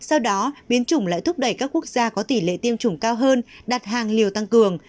sau đó biến chủng lại thúc đẩy các quốc gia có tỷ lệ tiêm chủng cao hơn đặt hàng liều tăng cường